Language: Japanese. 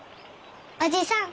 おじさん。